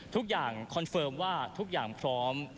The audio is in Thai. คอนเฟิร์มว่าทุกอย่างพร้อม